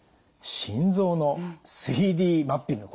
心臓の３Ｄマッピング